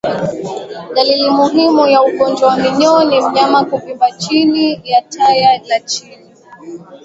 Dalili muhimu ya ugonjwa wa minyoo ni mnyama kuvimba chini ya taya la chini